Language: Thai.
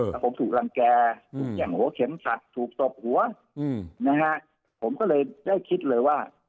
แล้วผมถูกรังแก่ถูกแย่งหัวเข็มขัดถูกตบหัวนะฮะผมก็เลยได้คิดเลยว่า